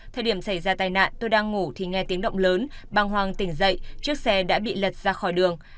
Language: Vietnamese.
thời điểm xảy ra tai nạn tôi đang ngủ thì nghe tiếng động lớn bàng hoàng tỉnh dậy chiếc xe đã bị lật ra khỏi đường